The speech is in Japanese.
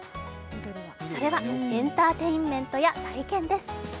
それはエンターテインメントや体験です。